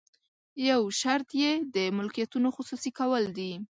یو شرط یې د ملکیتونو خصوصي کول دي.